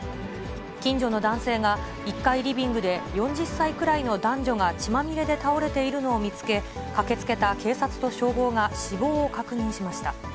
近所の男性が１階リビングで４０歳くらいの男女が血まみれで倒れているのを見つけ、駆けつけた警察と消防が死亡を確認しました。